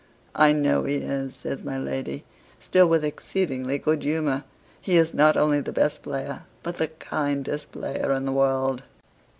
"I know he is," says my lady, still with exceeding good humor; "he is not only the best player, but the kindest player in the world."